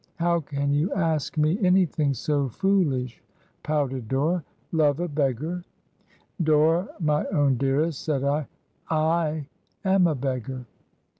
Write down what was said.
'How can you ask me an3rthing so foolish?' pouted Dora. 'Love a beggar I' 'Dora, my own dearest!' said I. 'J am a beggar!'